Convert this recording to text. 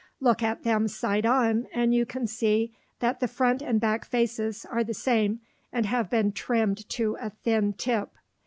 Look at them side on, and you can see that the front and back faces are the same and have been trimmed to a thin tip.